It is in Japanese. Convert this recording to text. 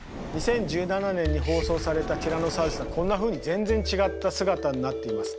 ２０１７年に放送されたティラノサウルスはこんなふうに全然違った姿になっています。